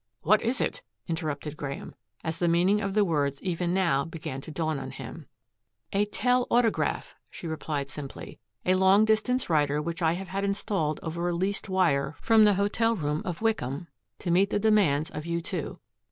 "What is it?" interrupted Graeme, as the meaning of the words even now began to dawn on him. "A telautograph," she replied simply, "a long distance writer which I have had installed over a leased wire from the hotel room of Wickham to meet the demands of you two.